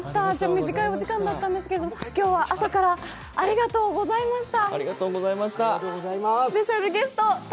短いお時間だったんですけど、今日は朝からありがとうございました。